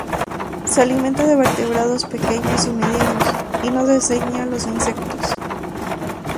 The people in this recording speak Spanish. Se alimenta de vertebrados pequeños y medianos, y no desdeña los insectos.